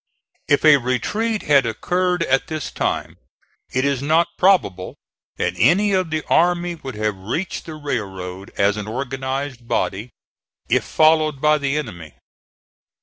If a retreat had occurred at this time it is not probable that any of the army would have reached the railroad as an organized body, if followed by the enemy.